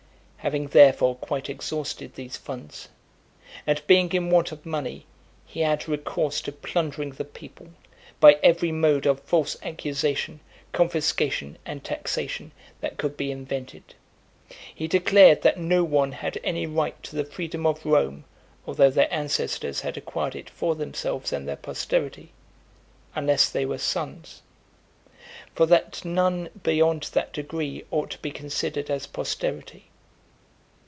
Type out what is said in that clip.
XXXVIII. Having therefore quite exhausted these funds, and being in want of money, he had recourse to plundering the people, by every mode of false accusation, confiscation, and taxation, that could be invented. He declared that no one had any right to the freedom of Rome, although their ancestors had acquired it for themselves and their posterity, unless they were sons; for that none beyond that degree ought to be considered as posterity.